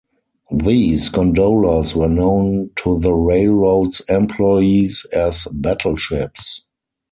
These gondolas were known to the railroad's employees as "Battleships".